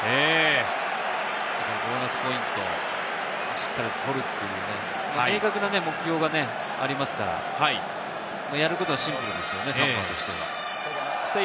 ボーナスポイントをしっかり取るという明確な目標がありますから、やることはシンプルですよね、サモアとしては。